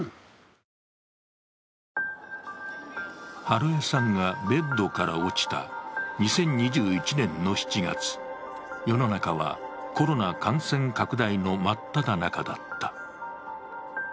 美枝さんがベッドから落ちた２０２１年の７月、世の中はコロナ感染拡大の真っただ中だった。